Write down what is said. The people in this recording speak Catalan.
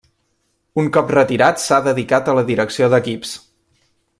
Un cop retirat s'ha dedicat a la direcció d'equips.